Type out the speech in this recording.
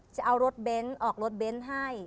จะเอาลดเบนซ์ออกลดเบนซ์ให้